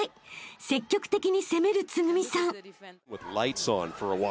［積極的に攻めるつぐみさん］